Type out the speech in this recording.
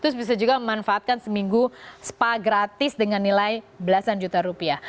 terus bisa juga memanfaatkan seminggu spa gratis dengan nilai belasan juta rupiah